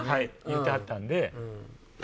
言ってはったんで。